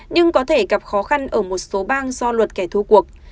nhưng có thể gặp khó khăn ở một số bang do luật kẻ thu cuộc